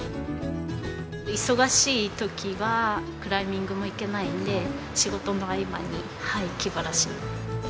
忙しい時はクライミングも行けないんで仕事の合間に気晴らしに。